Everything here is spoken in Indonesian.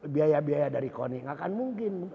biaya biaya dari koni nggak akan mungkin